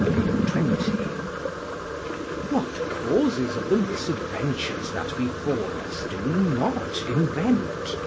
] What causes of the misadventures that befall us do we not invent?